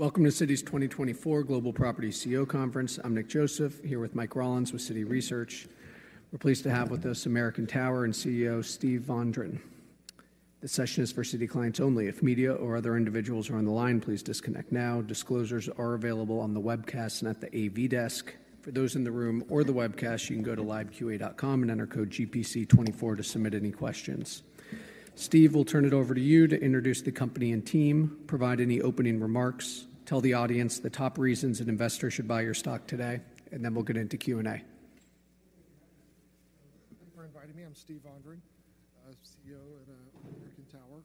Welcome to Citi's 2024 Global Property CEO Conference. I'm Nick Joseph, here with Mike Rollins with Citi Research. We're pleased to have with us American Tower and CEO Steve Vondran. This session is for Citi clients only. If media or other individuals are on the line, please disconnect now. Disclosures are available on the webcast and at the AV desk. For those in the room or the webcast, you can go to liveQA.com and enter code GPC24 to submit any questions. Steve, we'll turn it over to you to introduce the company and team, provide any opening remarks, tell the audience the top reasons an investor should buy your stock today, and then we'll get into Q&A. Thank you for inviting me. I'm Steve Vondran, CEO at American Tower.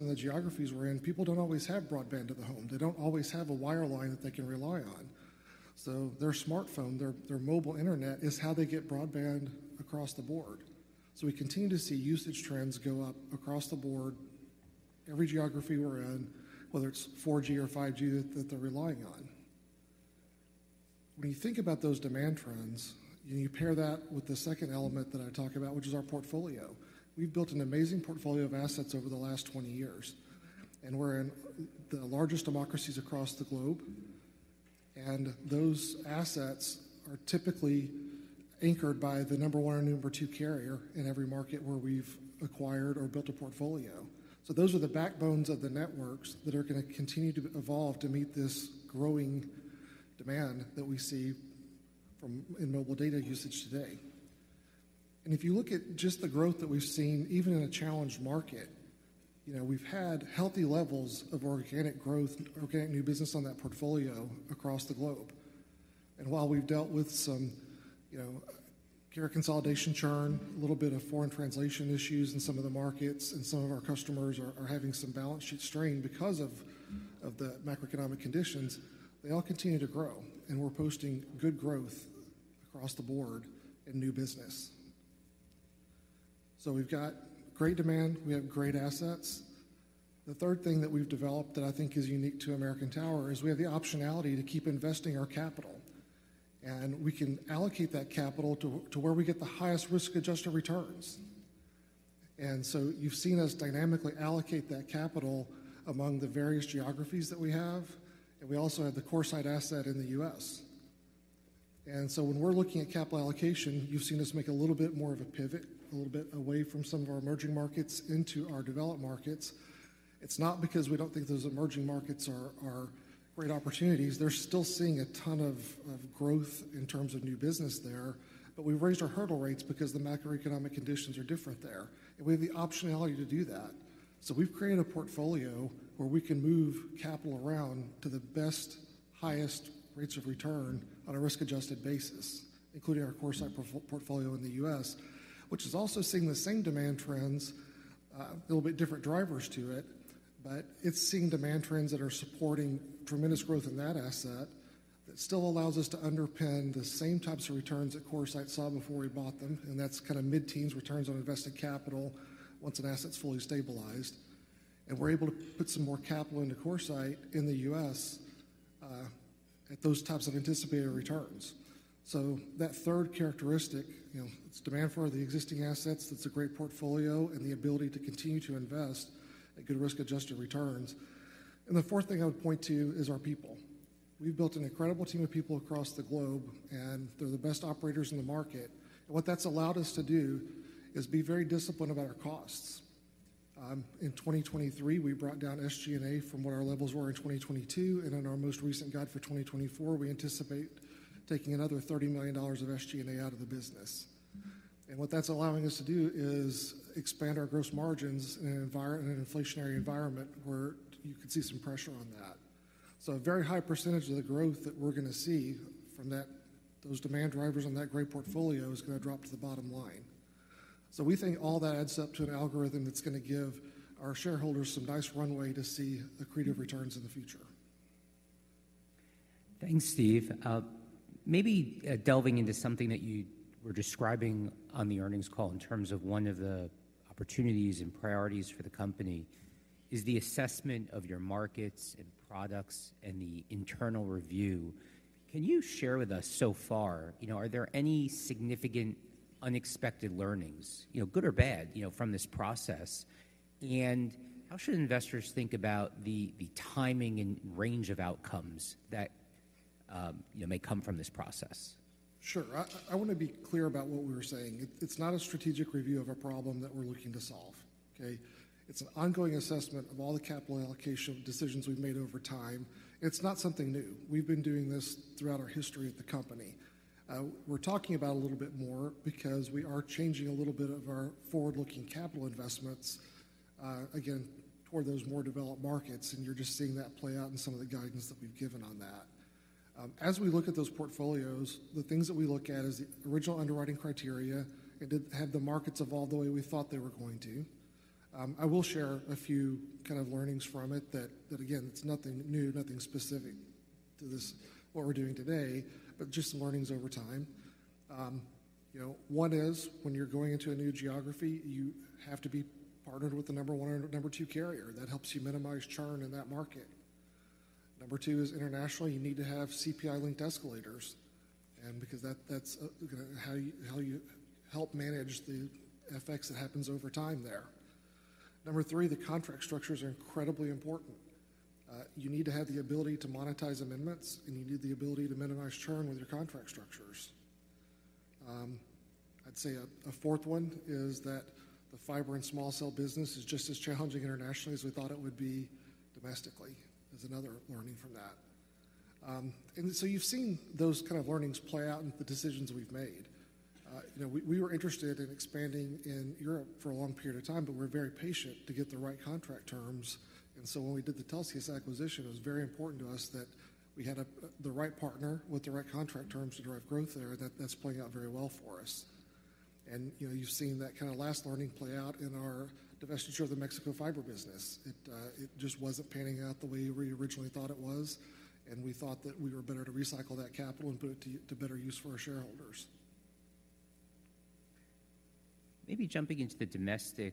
The geographies we're in, people don't always have broadband to the home. They don't always have a wireline that they can rely on. Their smartphone, their mobile internet, is how they get broadband across the board. We continue to see usage trends go up across the board, every geography we're in, whether it's 4G or 5G that they're relying on. When you think about those demand trends, you pair that with the second element that I talk about, which is our portfolio. We've built an amazing portfolio of assets over the last 20 years, and we're in the largest democracies across the globe. Those assets are typically anchored by the number one or number two carrier in every market where we've acquired or built a portfolio. So those are the backbones of the networks that are going to continue to evolve to meet this growing demand that we see in mobile data usage today. And if you look at just the growth that we've seen, even in a challenged market, we've had healthy levels of organic growth, organic new business on that portfolio across the globe. And while we've dealt with some carrier consolidation churn, a little bit of foreign translation issues in some of the markets, and some of our customers are having some balance sheet strain because of the macroeconomic conditions, they all continue to grow. And we're posting good growth across the board in new business. So we've got great demand. We have great assets. The third thing that we've developed that I think is unique to American Tower is we have the optionality to keep investing our capital. We can allocate that capital to where we get the highest risk-adjusted returns. So you've seen us dynamically allocate that capital among the various geographies that we have. We also have the CoreSite asset in the U.S. So when we're looking at capital allocation, you've seen us make a little bit more of a pivot, a little bit away from some of our emerging markets into our developed markets. It's not because we don't think those emerging markets are great opportunities. They're still seeing a ton of growth in terms of new business there. But we've raised our hurdle rates because the macroeconomic conditions are different there. We have the optionality to do that. So we've created a portfolio where we can move capital around to the best, highest rates of return on a risk-adjusted basis, including our CoreSite portfolio in the U.S., which is also seeing the same demand trends, a little bit different drivers to it. But it's seeing demand trends that are supporting tremendous growth in that asset that still allows us to underpin the same types of returns that CoreSite saw before we bought them. And that's kind of mid-teens returns on invested capital once an asset's fully stabilized. And we're able to put some more capital into CoreSite in the U.S. at those types of anticipated returns. So that third characteristic, it's demand for the existing assets. That's a great portfolio and the ability to continue to invest at good risk-adjusted returns. And the fourth thing I would point to is our people. We've built an incredible team of people across the globe, and they're the best operators in the market. What that's allowed us to do is be very disciplined about our costs. In 2023, we brought down SG&A from what our levels were in 2022. In our most recent guide for 2024, we anticipate taking another $30 million of SG&A out of the business. What that's allowing us to do is expand our gross margins in an inflationary environment where you could see some pressure on that. A very high percentage of the growth that we're going to see from those demand drivers on that great portfolio is going to drop to the bottom line. We think all that adds up to an algorithm that's going to give our shareholders some nice runway to see accretive returns in the future. Thanks, Steve. Maybe delving into something that you were describing on the earnings call in terms of one of the opportunities and priorities for the company is the assessment of your markets and products and the internal review. Can you share with us so far? Are there any significant unexpected learnings, good or bad, from this process? And how should investors think about the timing and range of outcomes that may come from this process? Sure. I want to be clear about what we were saying. It's not a strategic review of a problem that we're looking to solve, okay? It's an ongoing assessment of all the capital allocation decisions we've made over time. It's not something new. We've been doing this throughout our history at the company. We're talking about it a little bit more because we are changing a little bit of our forward-looking capital investments, again, toward those more developed markets. And you're just seeing that play out in some of the guidance that we've given on that. As we look at those portfolios, the things that we look at is the original underwriting criteria. It did have the markets evolve the way we thought they were going to. I will share a few kind of learnings from it that, again, it's nothing new, nothing specific to what we're doing today, but just learnings over time. One is when you're going into a new geography, you have to be partnered with the number one or number two carrier. That helps you minimize churn in that market. Number two is internationally, you need to have CPI-linked escalators because that's how you help manage the effects that happens over time there. Number three, the contract structures are incredibly important. You need to have the ability to monetize amendments, and you need the ability to minimize churn with your contract structures. I'd say a fourth one is that the fiber and small-cell business is just as challenging internationally as we thought it would be domestically. There's another learning from that. And so you've seen those kind of learnings play out in the decisions we've made. We were interested in expanding in Europe for a long period of time, but we're very patient to get the right contract terms. And so when we did the Telxius acquisition, it was very important to us that we had the right partner with the right contract terms to drive growth there. And that's playing out very well for us. And you've seen that kind of last learning play out in our divestiture of the Mexico fiber business. It just wasn't panning out the way we originally thought it was. And we thought that we were better to recycle that capital and put it to better use for our shareholders. Maybe jumping into the domestic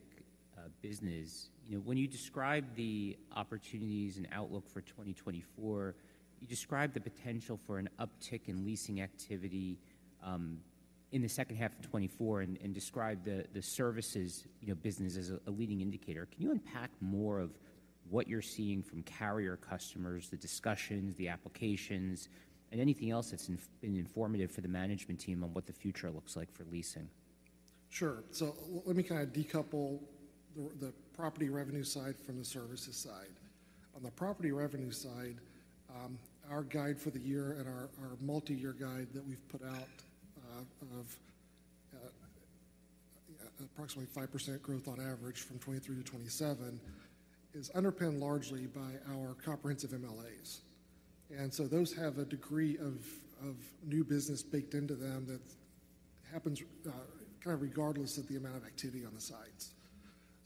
business, when you describe the opportunities and outlook for 2024, you describe the potential for an uptick in leasing activity in the second half of 2024 and describe the services business as a leading indicator. Can you unpack more of what you're seeing from carrier customers, the discussions, the applications, and anything else that's been informative for the management team on what the future looks like for leasing? Sure. So let me kind of decouple the property revenue side from the services side. On the property revenue side, our guide for the year and our multi-year guide that we've put out of approximately 5% growth on average from 2023 to 2027 is underpinned largely by our comprehensive MLAs. And so those have a degree of new business baked into them that happens kind of regardless of the amount of activity on the sides.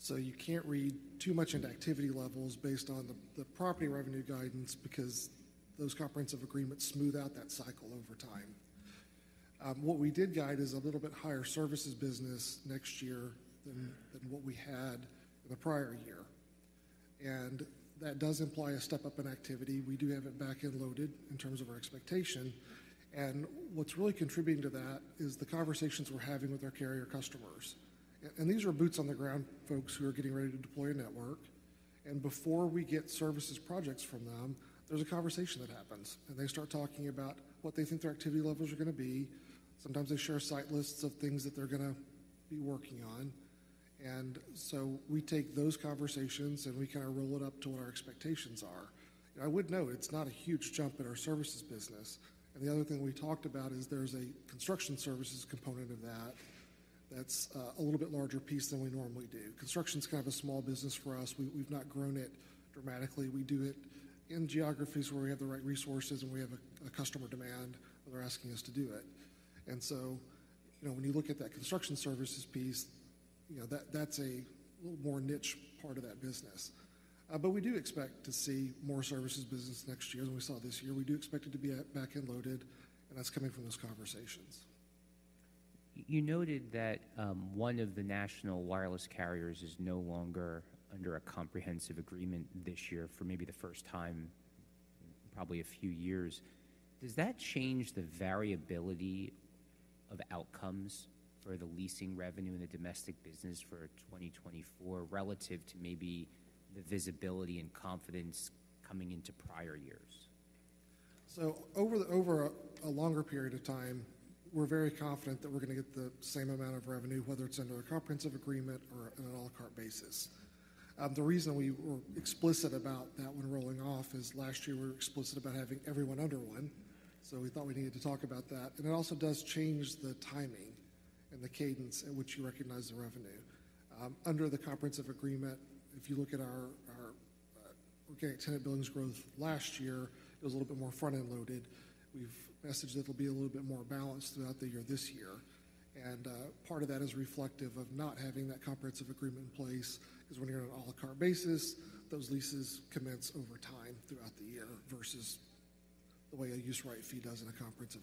So you can't read too much into activity levels based on the property revenue guidance because those comprehensive agreements smooth out that cycle over time. What we did guide is a little bit higher services business next year than what we had in the prior year. And that does imply a step up in activity. We do have it back-end loaded in terms of our expectation. What's really contributing to that is the conversations we're having with our carrier customers. These are boots-on-the-ground folks who are getting ready to deploy a network. Before we get services projects from them, there's a conversation that happens. They start talking about what they think their activity levels are going to be. Sometimes they share site lists of things that they're going to be working on. So we take those conversations, and we kind of roll it up to what our expectations are. I would note it's not a huge jump in our services business. The other thing we talked about is there's a construction services component of that that's a little bit larger piece than we normally do. Construction's kind of a small business for us. We've not grown it dramatically. We do it in geographies where we have the right resources, and we have a customer demand, and they're asking us to do it. And so when you look at that construction services piece, that's a little more niche part of that business. But we do expect to see more services business next year than we saw this year. We do expect it to be back-loaded. And that's coming from those conversations. You noted that one of the national wireless carriers is no longer under a comprehensive agreement this year for maybe the first time, probably a few years. Does that change the variability of outcomes for the leasing revenue in the domestic business for 2024 relative to maybe the visibility and confidence coming into prior years? So over a longer period of time, we're very confident that we're going to get the same amount of revenue, whether it's under a comprehensive agreement or on an à la carte basis. The reason we were explicit about that when rolling off is last year, we were explicit about having everyone under one. So we thought we needed to talk about that. And it also does change the timing and the cadence in which you recognize the revenue. Under the comprehensive agreement, if you look at our Organic Tenant Billings Growth last year, it was a little bit more front-end loaded. We've messaged that it'll be a little bit more balanced throughout the year this year. Part of that is reflective of not having that comprehensive agreement in place because when you're on an à la carte basis, those leases commence over time throughout the year versus the way a use-right fee does in a comprehensive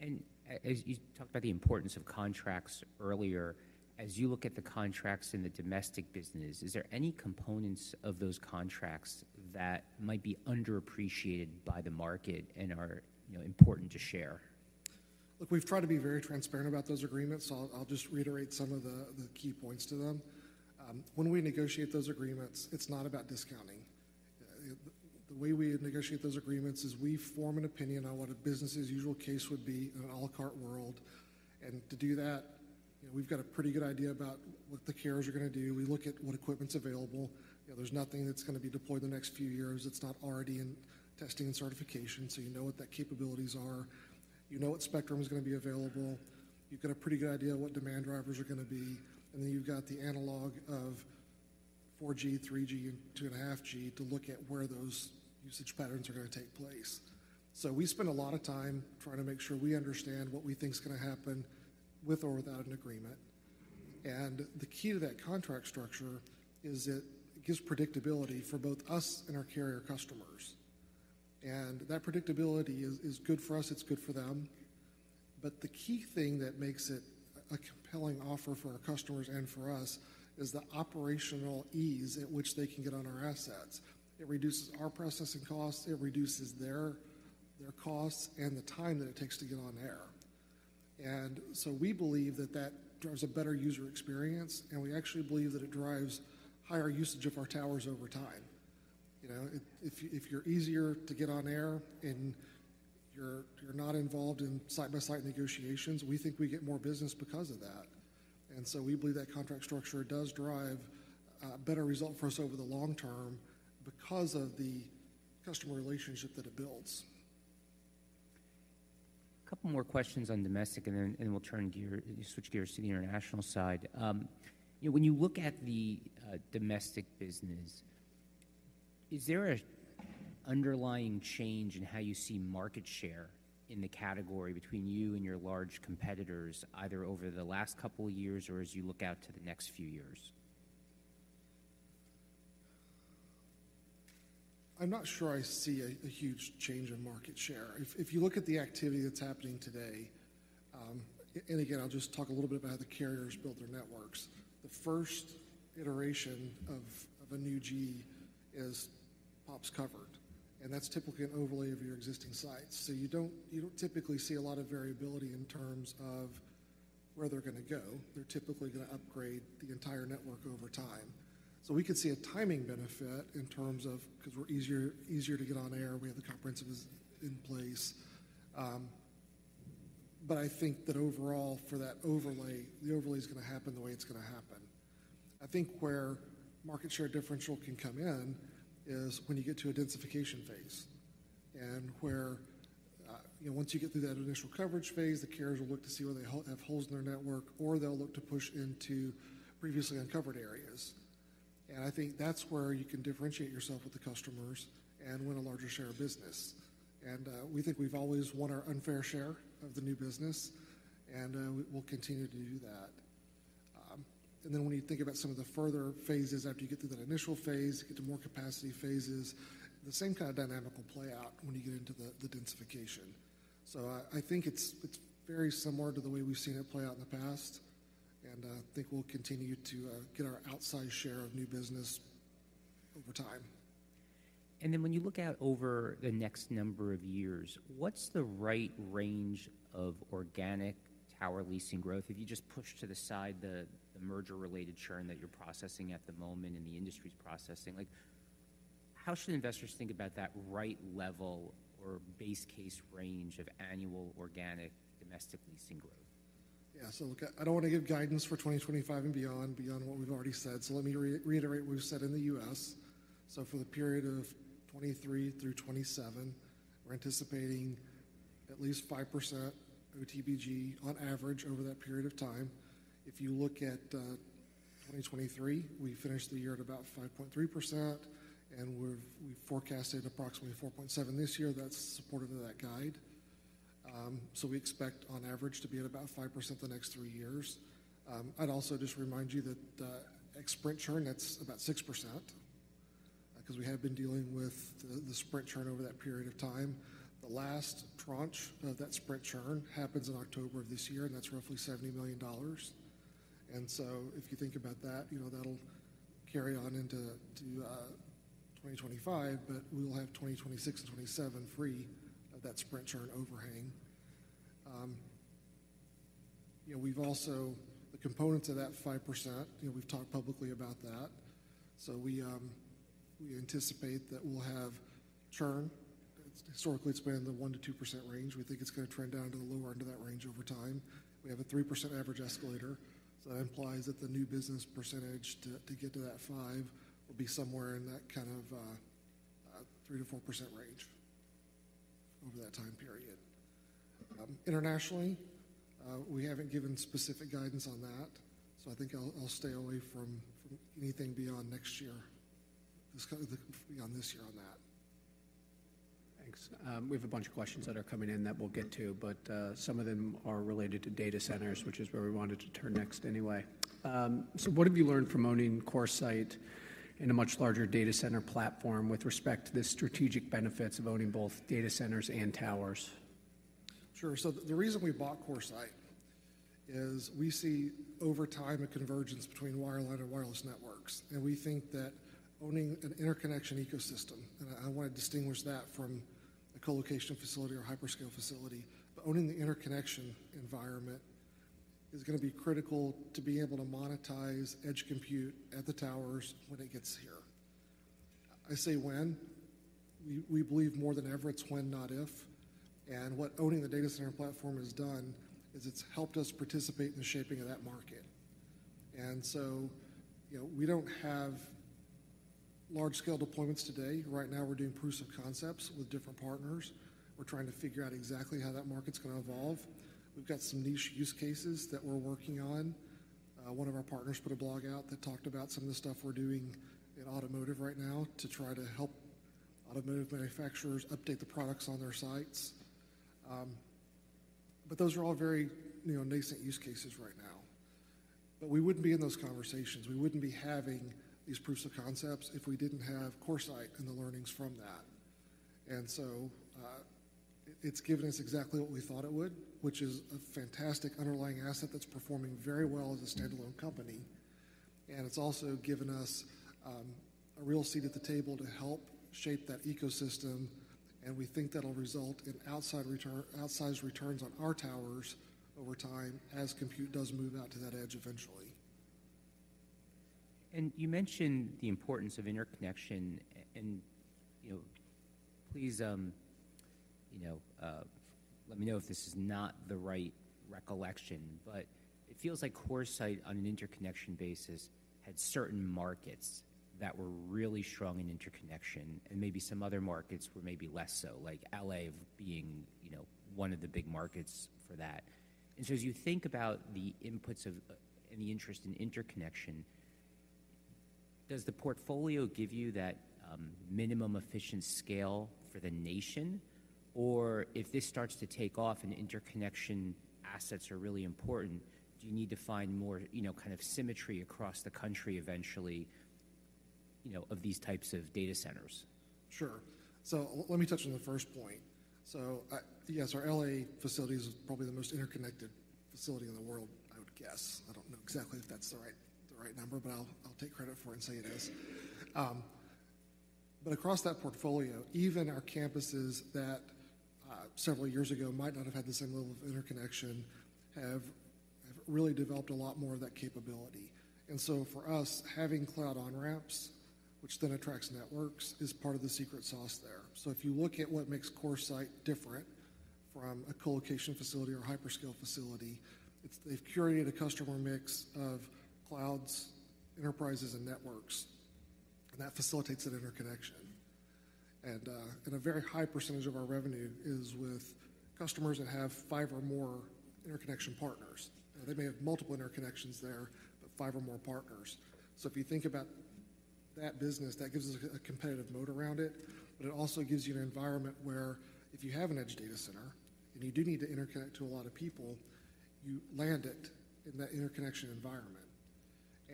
agreement. As you talked about the importance of contracts earlier, as you look at the contracts in the domestic business, is there any components of those contracts that might be underappreciated by the market and are important to share? Look, we've tried to be very transparent about those agreements. So I'll just reiterate some of the key points to them. When we negotiate those agreements, it's not about discounting. The way we negotiate those agreements is we form an opinion on what a business's usual case would be in an à la carte world. And to do that, we've got a pretty good idea about what the carriers are going to do. We look at what equipment's available. There's nothing that's going to be deployed the next few years. It's not already in testing and certification. So you know what that capabilities are. You know what spectrum is going to be available. You've got a pretty good idea of what demand drivers are going to be. And then you've got the analog of 4G, 3G, and 2.5G to look at where those usage patterns are going to take place. So we spend a lot of time trying to make sure we understand what we think's going to happen with or without an agreement. The key to that contract structure is it gives predictability for both us and our carrier customers. That predictability is good for us. It's good for them. But the key thing that makes it a compelling offer for our customers and for us is the operational ease at which they can get on our assets. It reduces our processing costs. It reduces their costs and the time that it takes to get on air. So we believe that that drives a better user experience. We actually believe that it drives higher usage of our towers over time. If you're easier to get on air and you're not involved in site-by-site negotiations, we think we get more business because of that. We believe that contract structure does drive a better result for us over the long term because of the customer relationship that it builds. A couple more questions on domestic, and then we'll switch gears to the international side. When you look at the domestic business, is there an underlying change in how you see market share in the category between you and your large competitors, either over the last couple of years or as you look out to the next few years? I'm not sure I see a huge change in market share. If you look at the activity that's happening today and again, I'll just talk a little bit about how the carriers build their networks. The first iteration of a new G is POPs covered. That's typically an overlay of your existing sites. So you don't typically see a lot of variability in terms of where they're going to go. They're typically going to upgrade the entire network over time. So we could see a timing benefit in terms of because we're easier to get on air. We have the comprehensive in place. But I think that overall, for that overlay, the overlay is going to happen the way it's going to happen. I think where market share differential can come in is when you get to a densification phase. Once you get through that initial coverage phase, the carriers will look to see where they have holes in their network, or they'll look to push into previously uncovered areas. I think that's where you can differentiate yourself with the customers and win a larger share of business. We think we've always won our unfair share of the new business, and we'll continue to do that. Then when you think about some of the further phases after you get through that initial phase, you get to more capacity phases, the same kind of dynamic will play out when you get into the densification. I think it's very similar to the way we've seen it play out in the past. I think we'll continue to get our outsized share of new business over time. And then when you look out over the next number of years, what's the right range of organic tower leasing growth? If you just push to the side the merger-related churn that you're processing at the moment and the industry's processing, how should investors think about that right level or base case range of annual organic domestic leasing growth? Yeah. So look, I don't want to give guidance for 2025 and beyond what we've already said. So let me reiterate what we've said in the U.S. So for the period of 2023 through 2027, we're anticipating at least 5% OTBG on average over that period of time. If you look at 2023, we finished the year at about 5.3%, and we've forecasted approximately 4.7% this year. That's supportive of that guide. So we expect on average to be at about 5% the next three years. I'd also just remind you that ex-Sprint churn, that's about 6% because we have been dealing with the Sprint churn over that period of time. The last tranche of that Sprint churn happens in October of this year, and that's roughly $70 million. So if you think about that, that'll carry on into 2025, but we will have 2026 and 2027 free of that Sprint churn overhang. The components of that 5%, we've talked publicly about that. So we anticipate that we'll have churn. Historically, it's been the 1%-2% range. We think it's going to trend down to the lower end of that range over time. We have a 3% average escalator. So that implies that the new business percentage to get to that 5% will be somewhere in that kind of 3%-4% range over that time period. Internationally, we haven't given specific guidance on that. So I think I'll stay away from anything beyond next year beyond this year on that. Thanks. We have a bunch of questions that are coming in that we'll get to, but some of them are related to data centers, which is where we wanted to turn next anyway. So what have you learned from owning CoreSite in a much larger data center platform with respect to the strategic benefits of owning both data centers and towers? Sure. So the reason we bought CoreSite is we see over time a convergence between wireline and wireless networks. And we think that owning an interconnection ecosystem and I want to distinguish that from a colocation facility or hyperscale facility, but owning the interconnection environment is going to be critical to be able to monetize edge compute at the towers when it gets here. I say when. We believe more than ever it's when, not if. And what owning the data center platform has done is it's helped us participate in the shaping of that market. And so we don't have large-scale deployments today. Right now, we're doing proofs of concepts with different partners. We're trying to figure out exactly how that market's going to evolve. We've got some niche use cases that we're working on. One of our partners put a blog out that talked about some of the stuff we're doing in automotive right now to try to help automotive manufacturers update the products on their sites. But those are all very nascent use cases right now. But we wouldn't be in those conversations. We wouldn't be having these proofs of concepts if we didn't have CoreSite and the learnings from that. And so it's given us exactly what we thought it would, which is a fantastic underlying asset that's performing very well as a standalone company. And it's also given us a real seat at the table to help shape that ecosystem. And we think that'll result in outsized returns on our towers over time as compute does move out to that edge eventually. You mentioned the importance of interconnection. Please let me know if this is not the right recollection. But it feels like CoreSite, on an interconnection basis, had certain markets that were really strong in interconnection, and maybe some other markets were maybe less so, like L.A. being one of the big markets for that. And so as you think about the inputs and the interest in interconnection, does the portfolio give you that minimum efficiency scale for the nation? Or if this starts to take off and interconnection assets are really important, do you need to find more kind of symmetry across the country eventually of these types of data centers? Sure. So let me touch on the first point. So yes, our L.A. facility is probably the most interconnected facility in the world, I would guess. I don't know exactly if that's the right number, but I'll take credit for it and say it is. But across that portfolio, even our campuses that several years ago might not have had the same level of interconnection have really developed a lot more of that capability. And so for us, having cloud on-ramps, which then attracts networks, is part of the secret sauce there. So if you look at what makes CoreSite different from a colocation facility or hyperscale facility, they've curated a customer mix of clouds, enterprises, and networks. And that facilitates that interconnection. And a very high percentage of our revenue is with customers that have five or more interconnection partners. They may have multiple interconnections there, but five or more partners. So if you think about that business, that gives us a competitive moat around it. But it also gives you an environment where if you have an edge data center and you do need to interconnect to a lot of people, you land it in that interconnection environment.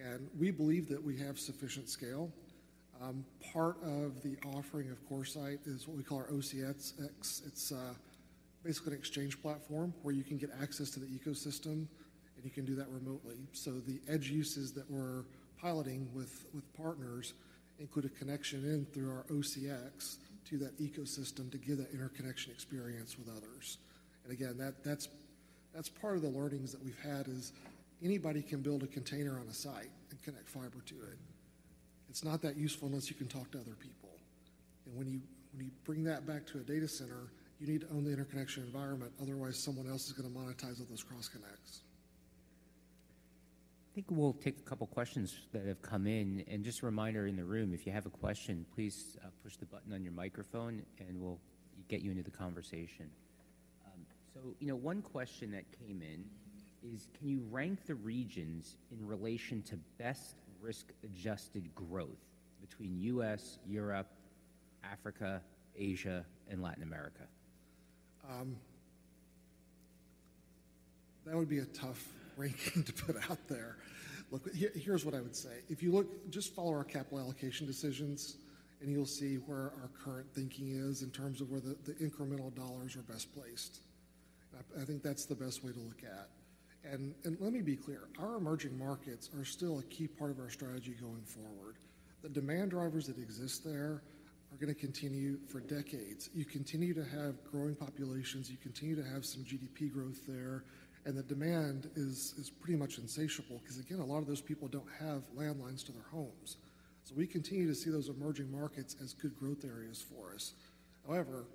And we believe that we have sufficient scale. Part of the offering of CoreSite is what we call our OCX. It's basically an exchange platform where you can get access to the ecosystem, and you can do that remotely. So the edge uses that we're piloting with partners include a connection in through our OCX to that ecosystem to give that interconnection experience with others. And again, that's part of the learnings that we've had is anybody can build a container on a site and connect fiber to it. It's not that useful unless you can talk to other people. When you bring that back to a data center, you need to own the interconnection environment. Otherwise, someone else is going to monetize all those cross-connects. I think we'll take a couple of questions that have come in. Just a reminder in the room, if you have a question, please push the button on your microphone, and we'll get you into the conversation. One question that came in is, can you rank the regions in relation to best risk-adjusted growth between U.S., Europe, Africa, Asia, and Latin America? That would be a tough ranking to put out there. Look, here's what I would say. If you just follow our capital allocation decisions, and you'll see where our current thinking is in terms of where the incremental dollars are best placed. And I think that's the best way to look at. And let me be clear. Our emerging markets are still a key part of our strategy going forward. The demand drivers that exist there are going to continue for decades. You continue to have growing populations. You continue to have some GDP growth there. And the demand is pretty much insatiable because, again, a lot of those people don't have landlines to their homes. So we continue to see those emerging markets as good growth areas for us. However,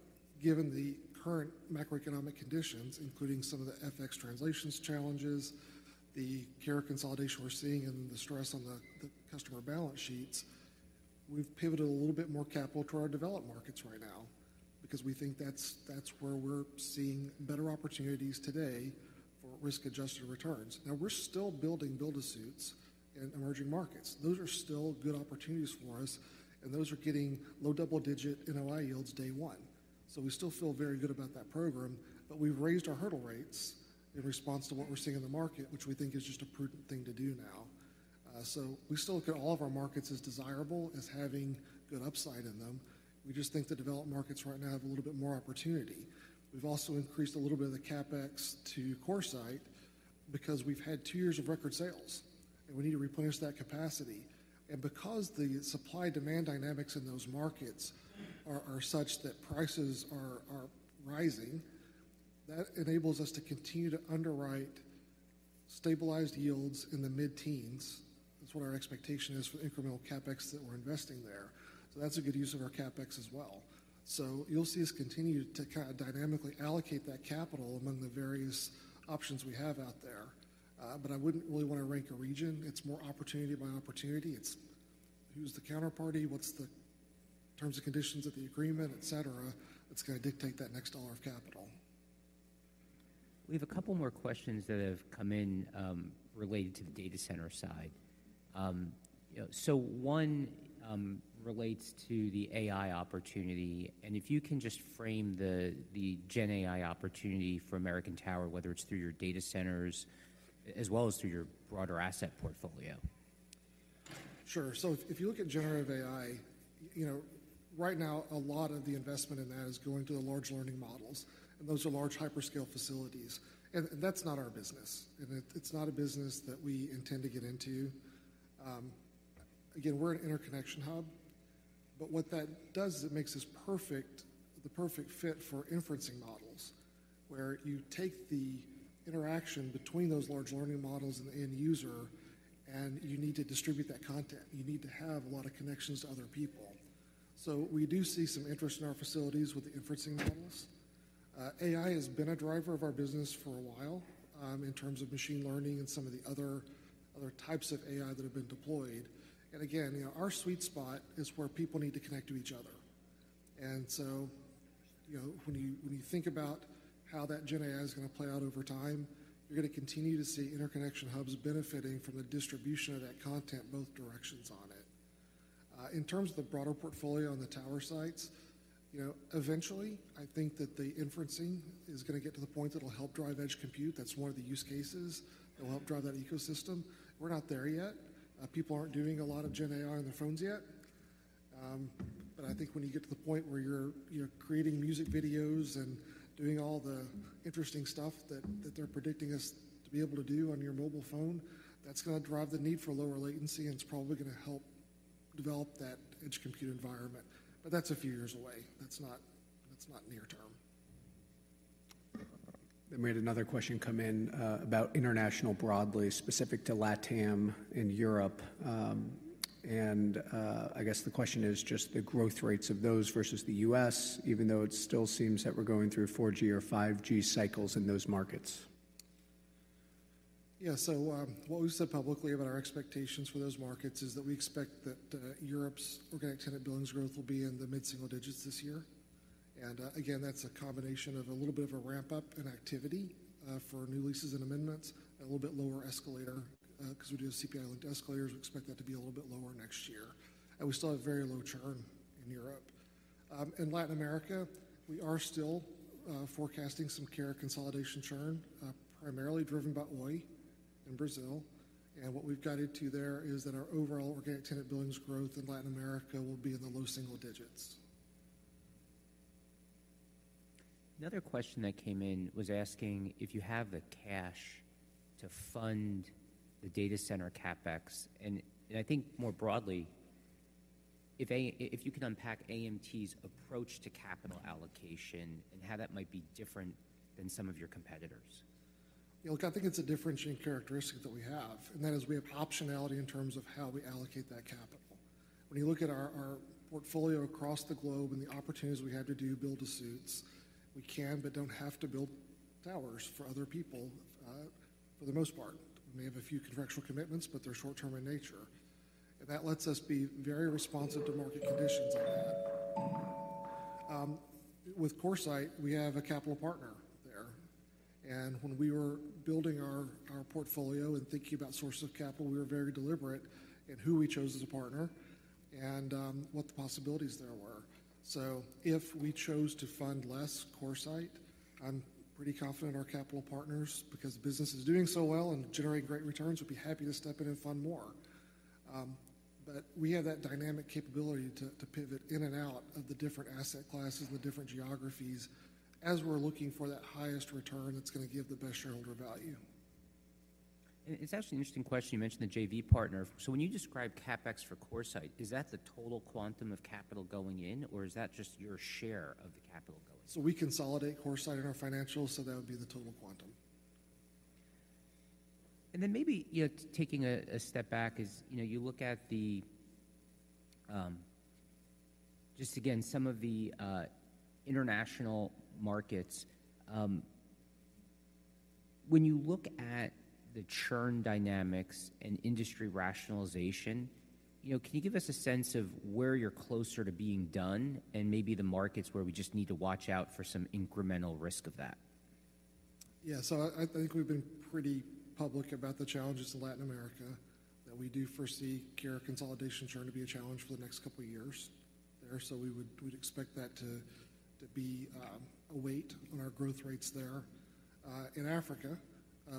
given the current macroeconomic conditions, including some of the FX translations challenges, the carrier consolidation we're seeing, and the stress on the customer balance sheets, we've pivoted a little bit more capital toward our developed markets right now because we think that's where we're seeing better opportunities today for risk-adjusted returns. Now, we're still building build-to-suits in emerging markets. Those are still good opportunities for us. And those are getting low double-digit NOI yields day one. So we still feel very good about that program. But we've raised our hurdle rates in response to what we're seeing in the market, which we think is just a prudent thing to do now. So we still look at all of our markets as desirable, as having good upside in them. We just think the developed markets right now have a little bit more opportunity. We've also increased a little bit of the CapEx to CoreSite because we've had two years of record sales. We need to replenish that capacity. Because the supply-demand dynamics in those markets are such that prices are rising, that enables us to continue to underwrite stabilized yields in the mid-teens. That's what our expectation is for the incremental CapEx that we're investing there. So that's a good use of our CapEx as well. So you'll see us continue to kind of dynamically allocate that capital among the various options we have out there. But I wouldn't really want to rank a region. It's more opportunity by opportunity. It's who's the counterparty? What's the terms and conditions of the agreement, etc.? That's going to dictate that next dollar of capital. We have a couple more questions that have come in related to the data center side. One relates to the AI opportunity. If you can just frame the GenAI opportunity for American Tower, whether it's through your data centers as well as through your broader asset portfolio. Sure. So if you look at Generative AI, right now, a lot of the investment in that is going to the large learning models. And those are large hyperscale facilities. And that's not our business. And it's not a business that we intend to get into. Again, we're an interconnection hub. But what that does is it makes the perfect fit for inferencing models where you take the interaction between those large learning models and the end user, and you need to distribute that content. You need to have a lot of connections to other people. So we do see some interest in our facilities with the inferencing models. AI has been a driver of our business for a while in terms of machine learning and some of the other types of AI that have been deployed. And again, our sweet spot is where people need to connect to each other. And so when you think about how that GenAI is going to play out over time, you're going to continue to see interconnection hubs benefiting from the distribution of that content, both directions on it. In terms of the broader portfolio on the tower sites, eventually, I think that the inferencing is going to get to the point that it'll help drive Edge Compute. That's one of the use cases. It'll help drive that ecosystem. We're not there yet. People aren't doing a lot of GenAI on their phones yet. But I think when you get to the point where you're creating music videos and doing all the interesting stuff that they're predicting us to be able to do on your mobile phone, that's going to drive the need for lower latency, and it's probably going to help develop that Edge Compute environment. But that's a few years away. That's not near term. We had another question come in about international broadly, specific to LATAM and Europe. I guess the question is just the growth rates of those versus the U.S., even though it still seems that we're going through 4G or 5G cycles in those markets. Yeah. So what we've said publicly about our expectations for those markets is that we expect that Europe's organic tenant billings growth will be in the mid-single digits this year. And again, that's a combination of a little bit of a ramp-up in activity for new leases and amendments, a little bit lower escalator because we do have CPI-linked escalators. We expect that to be a little bit lower next year. And we still have very low churn in Europe. In Latin America, we are still forecasting some carrier consolidation churn, primarily driven by Oi in Brazil. And what we've got into there is that our overall organic tenant billings growth in Latin America will be in the low single digits. Another question that came in was asking if you have the cash to fund the data center CapEx. And I think more broadly, if you can unpack AMT's approach to capital allocation and how that might be different than some of your competitors. Look, I think it's a differentiating characteristic that we have. And that is we have optionality in terms of how we allocate that capital. When you look at our portfolio across the globe and the opportunities we have to do build-to-suits, we can but don't have to build towers for other people for the most part. We may have a few contractual commitments, but they're short-term in nature. And that lets us be very responsive to market conditions on that. With CoreSite, we have a capital partner there. And when we were building our portfolio and thinking about sources of capital, we were very deliberate in who we chose as a partner and what the possibilities there were. So if we chose to fund less CoreSite, I'm pretty confident in our capital partners because the business is doing so well and generating great returns. We'd be happy to step in and fund more. But we have that dynamic capability to pivot in and out of the different asset classes and the different geographies as we're looking for that highest return that's going to give the best shareholder value. It's actually an interesting question. You mentioned the JV partner. When you describe CapEx for CoreSite, is that the total quantum of capital going in, or is that just your share of the capital going in? We consolidate CoreSite in our financials. That would be the total quantum. Then maybe taking a step back, you look at the just again, some of the international markets. When you look at the churn dynamics and industry rationalization, can you give us a sense of where you're closer to being done and maybe the markets where we just need to watch out for some incremental risk of that? Yeah. So I think we've been pretty public about the challenges in Latin America that we do foresee carrier consolidation churn to be a challenge for the next couple of years there. So we'd expect that to be a weight on our growth rates there. In Africa,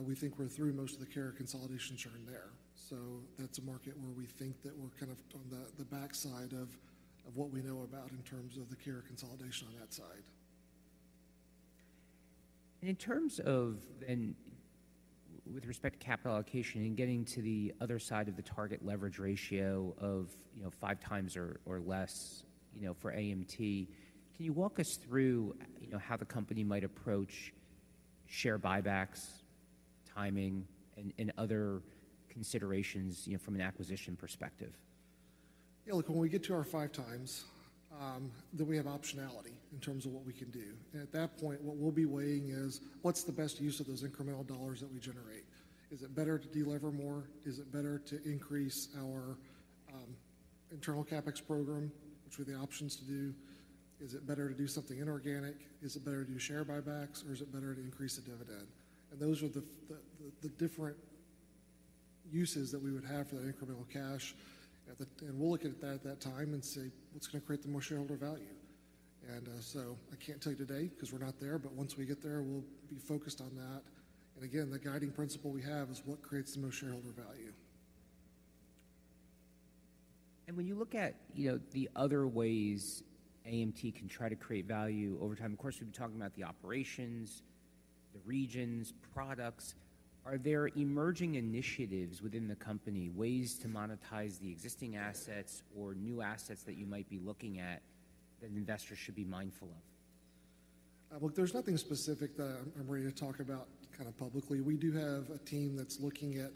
we think we're through most of the carrier consolidation churn there. So that's a market where we think that we're kind of on the backside of what we know about in terms of the carrier consolidation on that side. In terms of then with respect to capital allocation and getting to the other side of the target leverage ratio of 5x or less for AMT, can you walk us through how the company might approach share buybacks, timing, and other considerations from an acquisition perspective? Yeah. Look, when we get to our 5x, then we have optionality in terms of what we can do. And at that point, what we'll be weighing is what's the best use of those incremental dollars that we generate? Is it better to deliver more? Is it better to increase our internal CapEx program, which we have the options to do? Is it better to do something inorganic? Is it better to do share buybacks, or is it better to increase the dividend? And those are the different uses that we would have for that incremental cash. And we'll look at that at that time and say what's going to create the most shareholder value. And so I can't tell you today because we're not there. But once we get there, we'll be focused on that. Again, the guiding principle we have is what creates the most shareholder value. When you look at the other ways AMT can try to create value over time, of course, we've been talking about the operations, the regions, products. Are there emerging initiatives within the company, ways to monetize the existing assets or new assets that you might be looking at that investors should be mindful of? Look, there's nothing specific that I'm ready to talk about kind of publicly. We do have a team that's looking at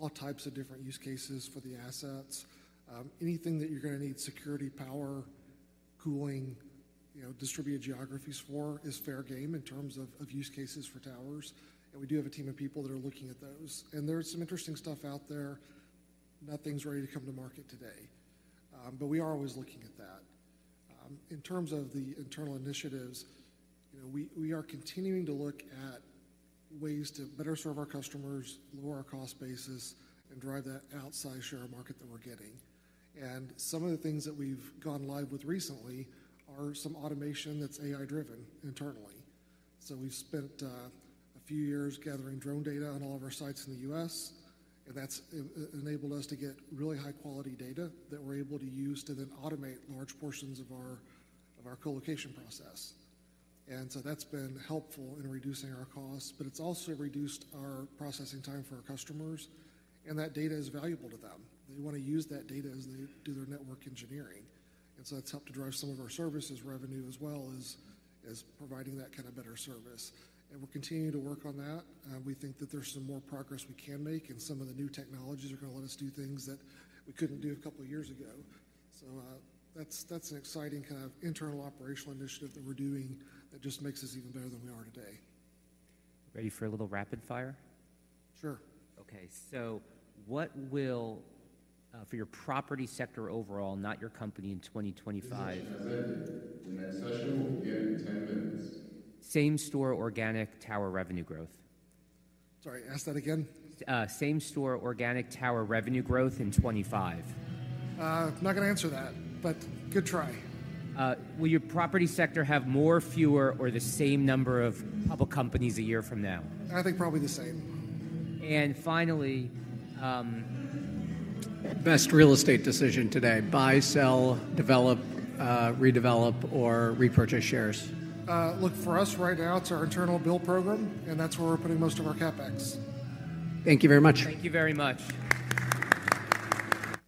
all types of different use cases for the assets. Anything that you're going to need security, power, cooling, distributed geographies for is fair game in terms of use cases for towers. And we do have a team of people that are looking at those. And there's some interesting stuff out there. Nothing's ready to come to market today. But we are always looking at that. In terms of the internal initiatives, we are continuing to look at ways to better serve our customers, lower our cost basis, and drive that outside share of market that we're getting. And some of the things that we've gone live with recently are some automation that's AI-driven internally. So we've spent a few years gathering drone data on all of our sites in the U.S. And that's enabled us to get really high-quality data that we're able to use to then automate large portions of our colocation process. And so that's been helpful in reducing our costs. But it's also reduced our processing time for our customers. And that data is valuable to them. They want to use that data as they do their network engineering. And so that's helped to drive some of our services revenue as well as providing that kind of better service. And we're continuing to work on that. We think that there's some more progress we can make. And some of the new technologies are going to let us do things that we couldn't do a couple of years ago. That's an exciting kind of internal operational initiative that we're doing that just makes us even better than we are today. Ready for a little rapid fire? Sure. Okay. What will for your property sector overall, not your company, in 2025? Same-store organic tower revenue growth? Sorry. Ask that again. Same-store organic tower revenue growth in 2025? I'm not going to answer that. But good try. Will your property sector have more, fewer, or the same number of public companies a year from now? I think probably the same. Finally. Best real estate decision today: buy, sell, develop, redevelop, or repurchase shares? Look, for us right now, it's our internal build program. That's where we're putting most of our CapEx. Thank you very much. Thank you very much.